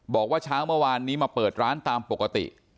บอกว่าเช้าเมื่อวานนี้มาเปิดร้านตามปกติ